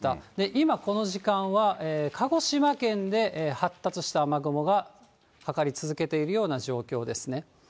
今、この時間は、鹿児島県で発達した雨雲がかかり続けているような状況ですね。